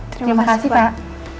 terima kasih pak